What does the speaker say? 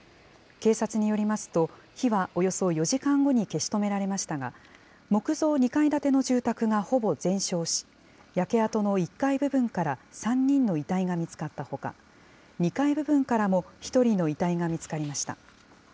警察によりますと、火はおよそ４時間後に消し止められましたが、木造２階建ての住宅がほぼ全焼し、焼け跡の１階部分から３人の遺体が見つかったほか、２階部分からも１人の遺体が見つかりました。